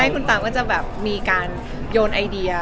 คุณตามก็จะแบบมีการโยนไอเดีย